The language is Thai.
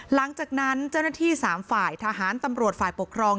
หลังจากนั้นเจ้าหน้าที่๓ฝ่ายทหารตำรวจฝ่ายปกครอง